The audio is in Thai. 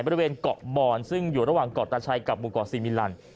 บริเวณเกาะบอนซึ่งอยู่ระหว่างเกาะตาชัยกับหมู่เกาะซีมิลัน